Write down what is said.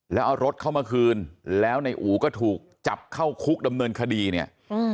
แล้วเอารถเข้ามาคืนแล้วในอู๋ก็ถูกจับเข้าคุกดำเนินคดีเนี่ยอืม